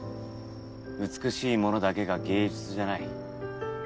美しいものだけが芸術じゃない。